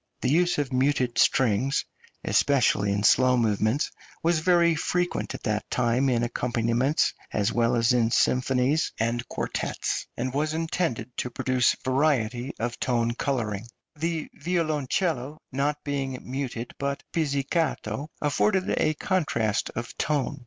The use of muted strings, especially in slow movements, was very frequent at that time in accompaniments, as well as in symphonies and quartets, and was intended to produce variety of tone colouring; the violoncello not being muted, but pizzicato, afforded a contrast of tone.